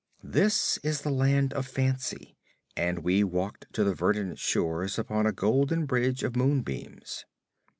This is the Land of Fancy, and we walked to the verdant shore upon a golden bridge of moonbeams.